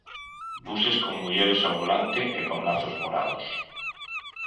Buses con mulleres ao volante e con lazos morados.